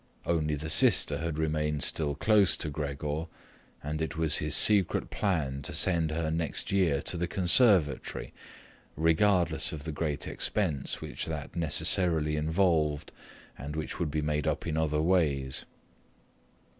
Only the sister had remained still close to Gregor, and it was his secret plan to send her next year to the conservatory, regardless of the great expense which that necessarily involved and which would be made up in other ways.